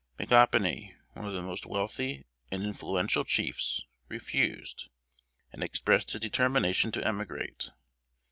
Micanopy, one of the most wealthy and influential chiefs, refused, and expressed his determination to emigrate.